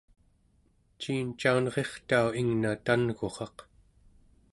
ciin caunrirtau ingna tan'gurraq?